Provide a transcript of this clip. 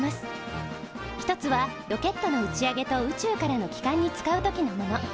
一つはロケットの打ち上げと宇宙からの帰還に使う時のもの。